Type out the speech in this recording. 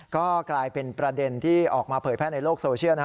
ก็กลายเป็นประเด็นที่ออกมาเผยแพร่ในโลกโซเชียลนะฮะ